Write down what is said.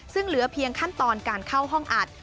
ซึ่งเหลือเพียงขั้นตอนการเข้าห้องอัด